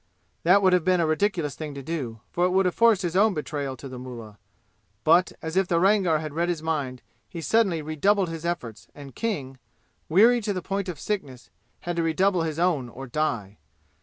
That would have been a ridiculous thing to do, for it would have forced his own betrayal to the mullah. But as if the Rangar had read his mind he suddenly redoubled his efforts and King, weary to the point of sickness, had to redouble his own or die.